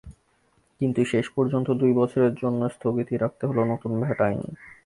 কিন্তু শেষ পর্যন্ত দুই বছরের জন্য স্থগিতই রাখতে হলো নতুন ভ্যাট আইন।